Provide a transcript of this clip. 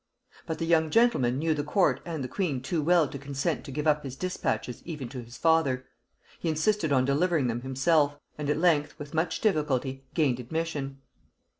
But the young gentleman knew the court and the queen too well to consent to give up his dispatches even to his father; he insisted on delivering them himself, and at length, with much difficulty gained admission.